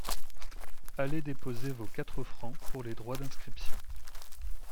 Allez déposer vos quatre francs pour les droits d’inscription.